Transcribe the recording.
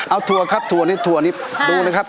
เอาถั่วครับถั่วนี้ถั่วนี้ดูนะครับ